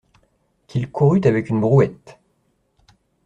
Qu'il courût avec une brouette!